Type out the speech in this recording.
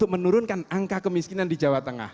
menurunkan angka kemiskinan di jawa tengah